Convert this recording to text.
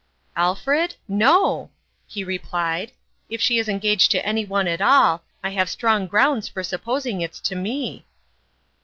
"Alfred? No !" he replied. "If she is en gaged to any one at all, I have strong grounds for supposing it's to me